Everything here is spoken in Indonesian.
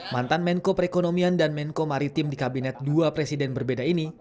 mantan menko perekonomian dan menko maritim di kabinet dua presiden berbeda ini